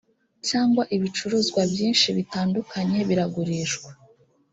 cyangwa ibicuruzwa byinshi bitandukanye biragurishwa